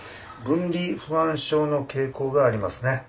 分離不安症の傾向がありますね。